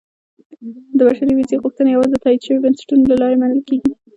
• د بشري ویزې غوښتنه یوازې د تایید شویو بنسټونو له لارې منل کېږي.